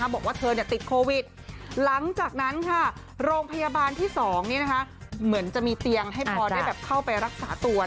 บอกว่าเธอติดโควิดหลังจากนั้นค่ะโรงพยาบาลที่๒เหมือนจะมีเตียงให้พอได้เข้าไปรักษาตัว